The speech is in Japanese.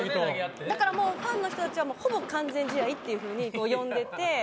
「だからもうファンの人たちはほぼ完全試合っていう風に呼んでて」